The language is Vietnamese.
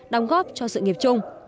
đồng góp cho sự nghiệp chung